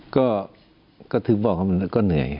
ก็ก็ถือบอกว่าก็เหนื่อย